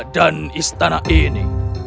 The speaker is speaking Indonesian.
dan istana ini